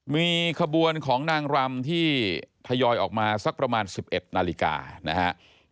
มีขบวนของนางรำที่ทยอยออกมาสักประมาณ๑๑นาฬิกานะครับ